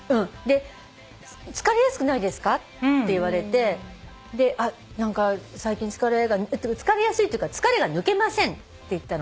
「疲れやすくないですか？」って言われて最近疲れが疲れやすいというか疲れが抜けませんって言ったの。